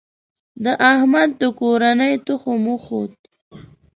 د احمد د کورنۍ تخم وخوت.